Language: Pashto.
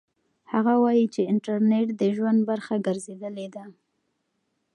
هغه وایي چې انټرنيټ د ژوند برخه ګرځېدلې ده.